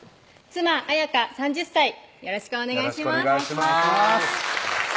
妻・綾香３０歳よろしくお願いします